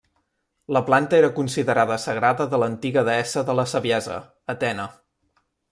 La planta era considerada sagrada de l'antiga deessa de la saviesa, Atena.